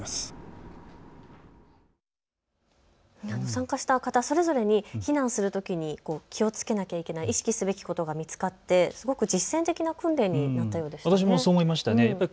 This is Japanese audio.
参加した方それぞれに避難するときに気をつけなきゃいけない意識すべきことが見つかって、すごく実践的な訓練になったようですね。